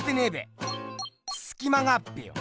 すき間があっぺよ！